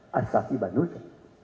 harus hati manusia